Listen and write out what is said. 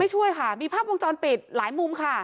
ช่วยค่ะมีภาพวงจรปิดหลายมุมค่ะ